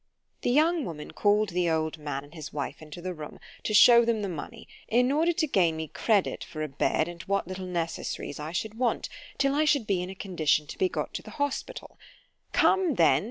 The young woman call'd the old man and his wife into the room, to shew them the money, in order to gain me credit for a bed and what little necessaries I should want, till I should be in a condition to be got to the hospital——Come then!